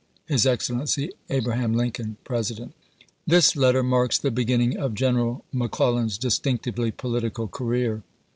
His Excellency Abraham Lincoln, President.^ This letter marks the beginning of General Mc Clellan's distinctively political career.